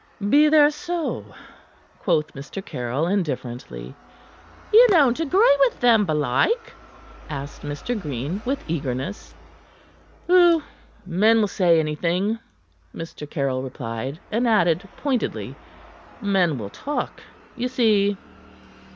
"Be there so?" quoth Mr. Caryll indifferently. "Ye don't agree with them, belike?" asked Mr. Green, with eagerness. "Pooh! Men will say anything," Mr. Caryll replied, and added pointedly: "Men will talk, ye see."